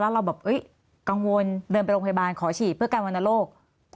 แล้วเราก็บอกกังวลเดินไปโรงพยาบาลขอฉีดเพื่อการวันนโรค